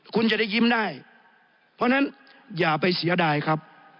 คุณจะได้ยิ้มได้เพราะฉะนั้นอย่าไปเสียดายครับ